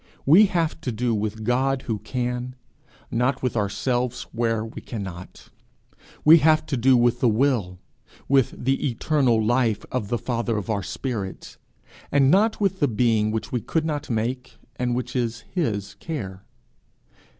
We have to do with God who can, not with ourselves where we cannot; we have to do with the Will, with the Eternal Life of the Father of our spirits, and not with the being which we could not make, and which is his care.